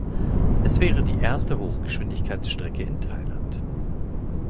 Es wäre die erste Hochgeschwindigkeitsstrecke in Thailand.